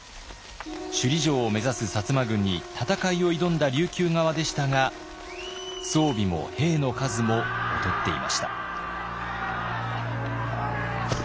首里城を目指す摩軍に戦いを挑んだ琉球側でしたが装備も兵の数も劣っていました。